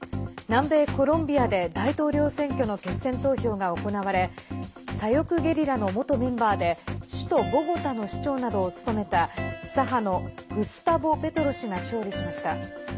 南米コロンビアで大統領選挙の決選投票が行われ左翼ゲリラの元メンバーで首都ボゴタの市長などを務めた左派のグスタボ・ペトロ氏が勝利しました。